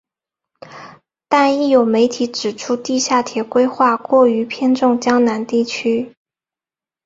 但亦有媒体指出地下铁规划过于偏重江南地区。